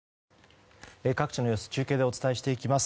各地の様子中継でお伝えします。